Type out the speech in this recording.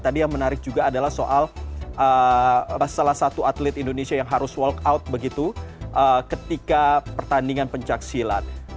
tadi yang menarik juga adalah soal salah satu atlet indonesia yang harus walk out begitu ketika pertandingan pencaksilat